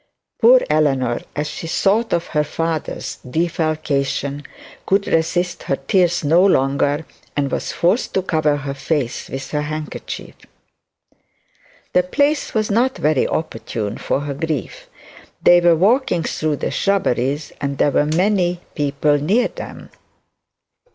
Poor Eleanor, as she thought of her father's defalcation, could resist her tears no longer, and was forced to cover her face with her handkerchief. The place was not very opportune for her grief. They were walking through the shrubberies, and there were many people near them.